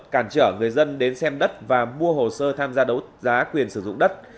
cản trở người dân đến xem đất và mua hồ sơ tham gia đấu giá quyền sử dụng đất